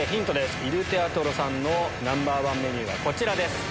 イル・テアトロさんのナンバー１メニューはこちらです。